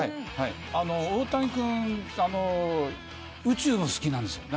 大谷君、宇宙が好きなんです。